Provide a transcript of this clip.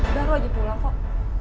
udah aku aja pulang kok